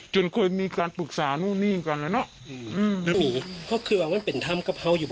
จนเคยมีการปรึกษานู่นี่กันเลยเนอะ